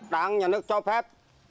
đảng nhà nước cho phép